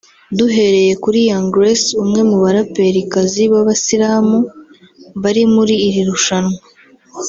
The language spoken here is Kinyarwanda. Duhereye kuri Young Grace umwe mu baraperikazi b’Abasilamu bari muri iri rushanwa